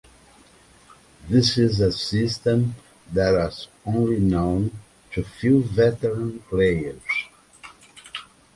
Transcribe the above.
This is a system that was only known to few veteran players.